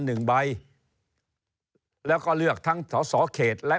หนึ่งใบ